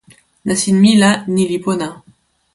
nasin mi la ni li pona.